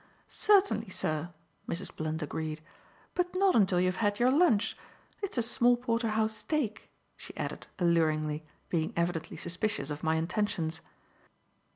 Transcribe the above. "Certainly, sir," Mrs. Blunt agreed; "but not until you have had your lunch. It's a small porterhouse steak," she added alluringly, being evidently suspicious of my intentions.